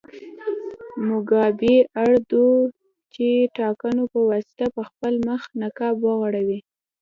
موګابي اړ و چې د ټاکنو په واسطه پر خپل مخ نقاب وغوړوي.